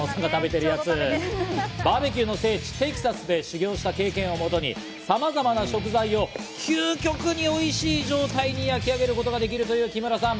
バーベキューの聖地・テキサスで修業した経験をもとに、さまざまな食材は究極においしい状態に焼き上げることができるという木村さん。